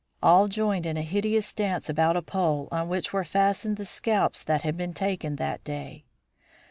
All joined in a hideous dance about a pole on which were fastened the scalps that had been taken that day.